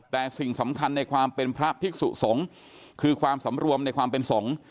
แต่สิ่งสำคัญในความเป็นพระภิกษุสงฆ์คือความสำรวมในความเป็นสงฆ์